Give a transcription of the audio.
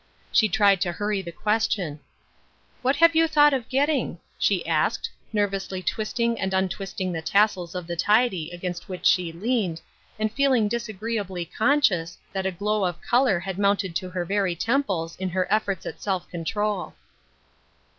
She tried to hurry the question :" What have you thought of getting ?" she asked, nervously twisting and untwisting the tassels of the tidy against which she leaned, and feeling disagreeably conscious that a glow of color had mounted to her very temples in her efforts at self control.